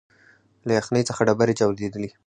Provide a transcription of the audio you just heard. له یخنۍ څخه ډبري چاودېدلې